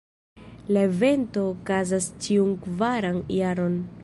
La evento okazas ĉiun kvaran jaron.